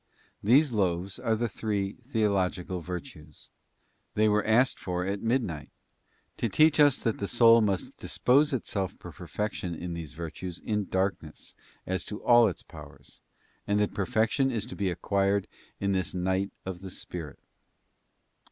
These loaves are the three theological virtues. They were asked for at midnight, to teach us that the soul must dispose itself for perfection in these virtues in darkness as to all its powers, and that perfection is to be acquired in this night of the spirit.